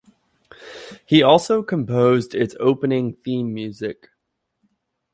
He also composed its opening theme music.